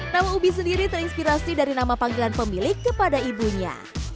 nama ubi sendiri terinspirasi dari nama panggilan pemilik kepada ibunya